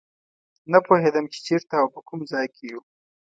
نه پوهېدم چې چېرته او په کوم ځای کې یو.